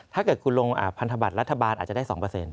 ถ้าเกิดคุณลงพันธบัตรรัฐบาลอาจจะได้๒